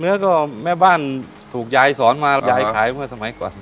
เนื้อก็แม่บ้านถูกยายสอนมายายขายเมื่อสมัยก่อน